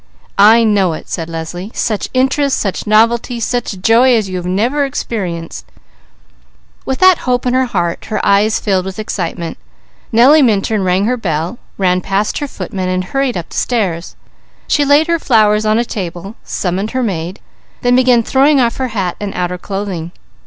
"I know it," said Leslie. "Such interest, such novelty, such joy as you never have experienced!" With that hope in her heart, her eyes filled with excitement, Nellie Minturn rang her bell, ran past her footman and hurried up the stairs. She laid her flowers on a table, summoned her maid, then began throwing off her hat and outer clothing.